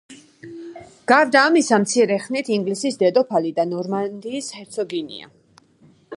გარდა ამისა მცირე ხნით ინგლისის დედოფალი და ნორმანდიის ჰერცოგინია.